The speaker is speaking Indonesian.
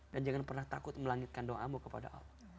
dan jangan pernah takut melangitkan doamu kepada allah